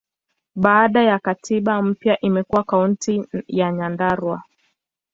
Baada ya katiba mpya, imekuwa Kaunti ya Nyandarua.